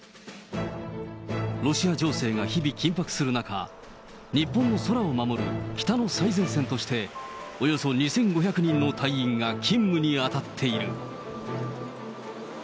ロシア情勢が日々緊迫する中、日本の空を守る北の最前線として、およそ２５００人の隊員が勤務に当たっている。